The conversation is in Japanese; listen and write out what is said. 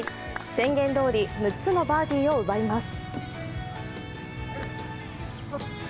宣言どおり、６つのバーディーを奪います。